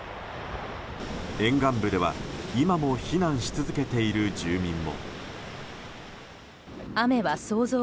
沿岸部では今も避難し続けている住民も。